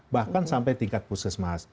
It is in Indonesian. bahkan sampai tingkat puskesmas